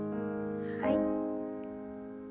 はい。